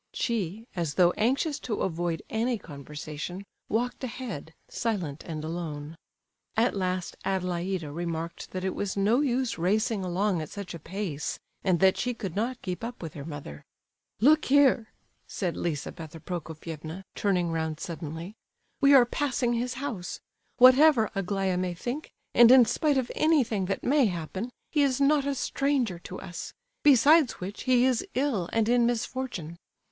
She, as though anxious to avoid any conversation, walked ahead, silent and alone. At last Adelaida remarked that it was no use racing along at such a pace, and that she could not keep up with her mother. "Look here," said Lizabetha Prokofievna, turning round suddenly; "we are passing his house. Whatever Aglaya may think, and in spite of anything that may happen, he is not a stranger to us; besides which, he is ill and in misfortune.